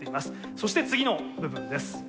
そして次の部分です。